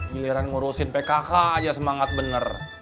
giliran ngurusin pkk aja semangat bener